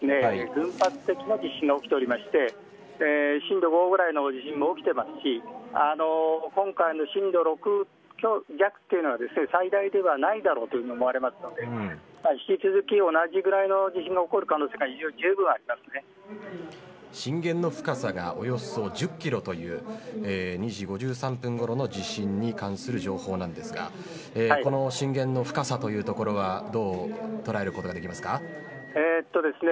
群発的な地震が起きていまして震度５くらいの地震が起きていますし今回の震度６強というのはですね最大ではないだろうと思われますので引き続き同じくらいの地震が起きる可能性が震源の深さがおよそ１０キロという２時５３分ごろの地震に関する情報なんですがこの震源の深さというところはえっとですね。